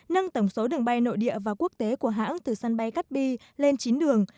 nâng tổng số đường bay nội địa và quốc tế của hãng từ sân bay cát bi lên chín đường